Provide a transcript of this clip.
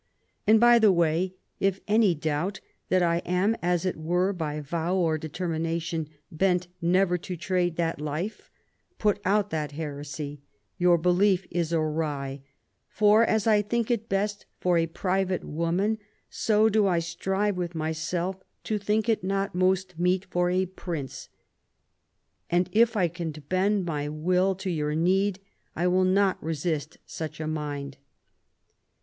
And, by the way, if any doubt that I am as it were by vow or determination bent never to trade that life, put out that heresy ; your belief is awry — for as I think it best for a private woman, so do I strive with myself to think it not most meet for a prince — and if I can bend my will to your need, I will not resist such a mind."